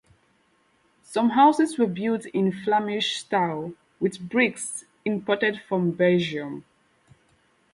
Some houses were built in Flemish style, with bricks imported from Belgium.